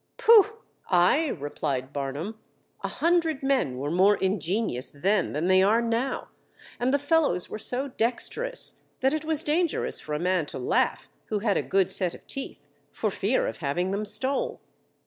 Puh! Ay_, replied Barnham, _a hundred men were more ingenious then than they are now, and the fellows were so dexterous that it was dangerous for a man to laugh who had a good set of teeth, for fear of having them stole.